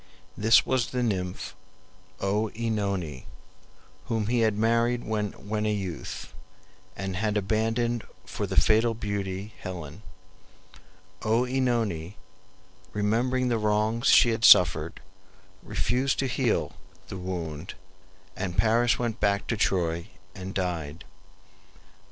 This was the nymph OEnone, whom he had married when a youth, and had abandoned for the fatal beauty Helen. OEnone, remembering the wrongs she had suffered, refused to heal the wound, and Paris went back to Troy and died.